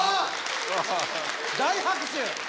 大拍手。